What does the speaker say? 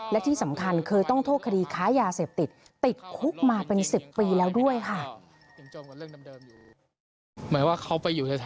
และที่สำคัญเคยต้องโทษคดีค้ายาเสพติดติดคุกมาเป็น๑๐ปีแล้วด้วยค่ะ